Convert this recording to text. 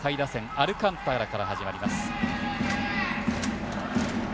アルカンタラから始まります。